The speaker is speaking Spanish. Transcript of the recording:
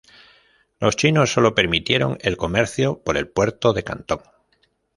Los chinos solo permitieron el comercio por el puerto de Cantón.